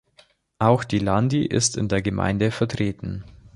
Auch die Landi ist in der Gemeinde vertreten.